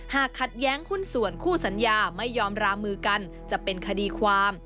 ขัดแย้งหุ้นส่วนคู่สัญญาไม่ยอมรามือกันจะเป็นคดีความ